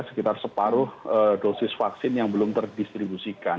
sekitar separuh dosis vaksin yang belum terdistribusikan